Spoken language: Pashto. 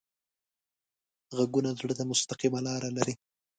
غږونه زړه ته مستقیم لاره لري